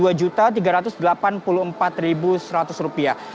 harga normalnya rp delapan puluh empat seratus